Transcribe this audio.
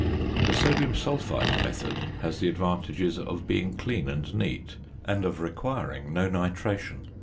The sodium sulphite method has the advantages of being clean and neat, and of requiring no nitration.